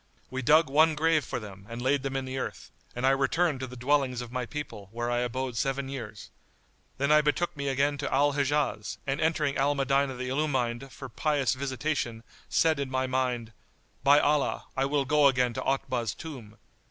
We dug one grave for them and laid them in the earth, and I returned to the dwellings of my people, where I abode seven years. Then I betook me again to Al Hijaz and entering Al Medinah the Illumined for pious visitation said in my mind, "By Allah, I will go again to Otbah's tomb!"